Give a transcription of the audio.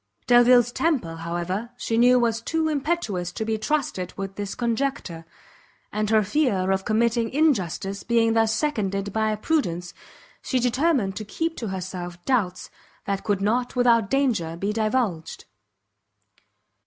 Delvile's temper, however, she knew was too impetuous to be trusted with this conjecture, and her fear of committing injustice being thus seconded by prudence, she determined to keep to herself doubts that could not without danger be divulged.